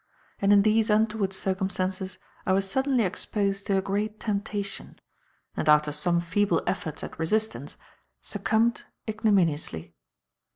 And in these untoward circumstances I was suddenly exposed to a great temptation; and after some feeble efforts at resistance, succumbed ignominiously.